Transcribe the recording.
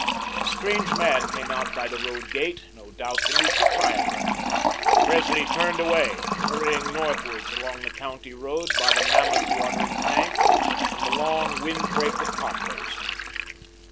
A strange man came out by the road gate; no doubt, the new proprietor. Presley turned away, hurrying northwards along the County Road by the mammoth watering tank and the long wind break of poplars.